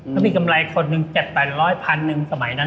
เขามีกำไรคนหนึ่ง๗๘๐๐พันหนึ่งสมัยนั้น